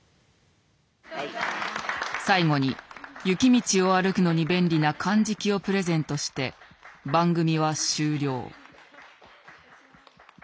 最後に雪道を歩くのに便利なかんじきをプレゼントして番組は終了。